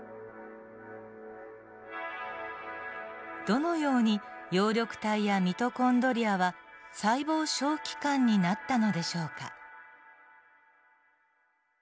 どのように葉緑体やミトコンドリアは細胞小器官になったのでしょうか。